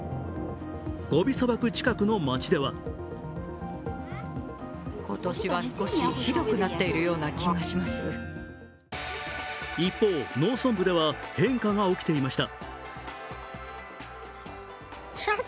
ゴビ砂漠近くの街では一方、農村部では変化が起きていました。